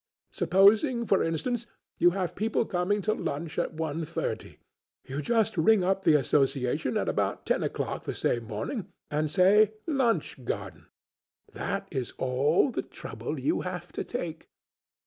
Supposing, for instance, you have people coming to lunch at one thirty; you just ring up the Association at about ten o'clock the same morning, and say 'lunch garden'. That is all the trouble you have to take.